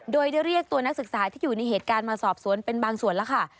โดยได้เรียกตัวนักศึกษาที่อยู่ในเหตุการณ์มาสอบสวนเป็นบางส่วนแล้วค่ะ